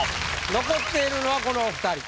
残っているのはこのお二人。